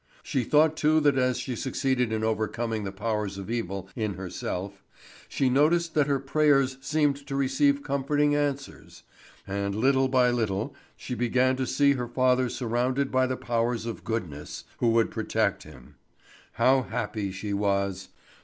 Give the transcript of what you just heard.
She thought too that as she succeeded in overcoming the powers of evil in herself, she noticed that her prayers seemed to receive comforting answers; and little by little she began to see her father surrounded by the powers of goodness, who would protect him. How happy she was!